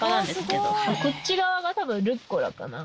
こっち側が多分ルッコラかな。